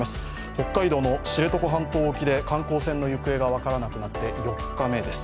北海道の知床半島沖で観光船の行方が分からなくなって４日目です。